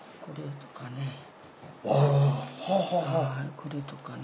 これとかね。